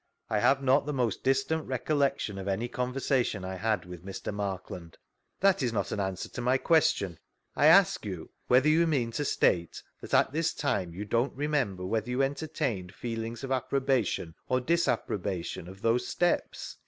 ^I have not the most distant recollection of any conversa tion I had with Mr. Markland. That is not an answer to my question. I ask you whether you mean to state that at this time, you don't remember whether you entertained feel ings of approbation or disapprobation of those steps?